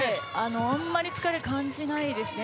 あまり疲れを感じないですね